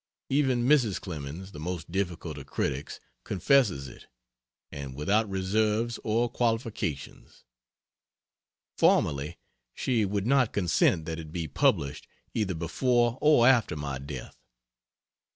Even Mrs. Clemens, the most difficult of critics, confesses it, and without reserves or qualifications. Formerly she would not consent that it be published either before or after my death.